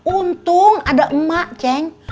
untung ada emak ceng